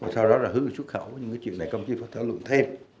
sau đó là hướng dụng xuất khẩu những chuyện này công chí phải thảo luận thêm